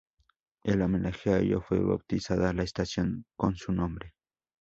En homenaje a ello fue bautizada la estación con su nombre.